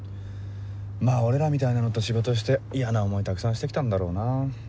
まぁ俺らみたいなのと仕事して嫌な思いたくさんして来たんだろうな。